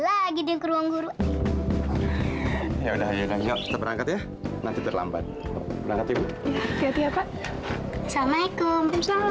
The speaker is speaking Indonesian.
lagi di ruang guru ya udah udah kita berangkat ya nanti terlambat berangkat ya pak assalamualaikum